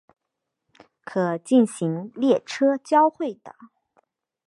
可进行列车交会的。